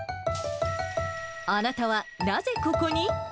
あなたはなぜここに？